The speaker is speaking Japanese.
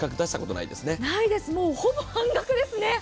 ないです、もうほぼ半額ですね。